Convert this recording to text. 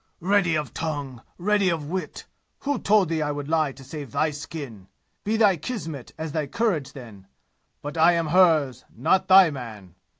"Ready of tongue! Ready of wit! Who told thee I would lie to save thy skin? Be thy kismet as thy courage, then but I am hers, not thy man!